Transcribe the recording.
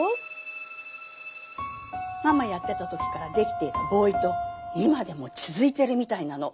ママやってた時からできていたボーイと今でも続いてるみたいなの。